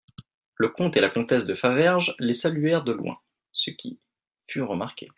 Le comte et la comtesse de Faverges les saluèrent de loin, ce qui fut remarqué.